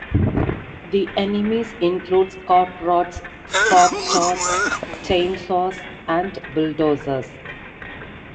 The enemies include Corprats, Popstars, Chainsaws and Bulldozers.